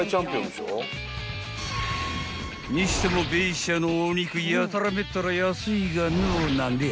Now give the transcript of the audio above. ［にしてもベイシアのお肉やたらめったら安いがのう何でや？］